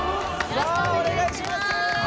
よろしくお願いします。